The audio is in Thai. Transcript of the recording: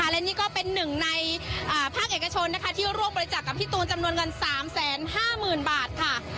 และนี่ก็เป็นหนึ่งในภาคเอกชนที่ร่วมบริจาคกับพี่ตูนจำนวนเงิน๓๕๐๐๐บาทค่ะ